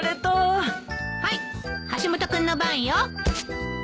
はい橋本君の番よ。